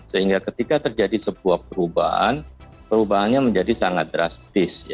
sehingga ketika terjadi sebuah perubahan perubahannya menjadi sangat drastis